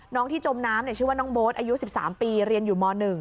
ที่จมน้ำชื่อว่าน้องโบ๊ทอายุ๑๓ปีเรียนอยู่ม๑